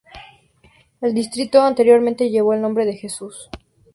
El distrito anteriormente llevó el nombre de "Jesús".